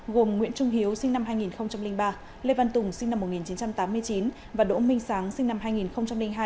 gồm nguyễn trung hiếu sinh năm hai nghìn ba lê văn tùng sinh năm một nghìn chín trăm tám mươi chín và đỗ minh sáng sinh năm hai nghìn hai